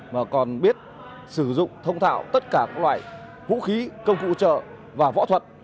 mà còn biết sử dụng thông thạo tất cả các loại vũ khí công cụ trợ và võ thuật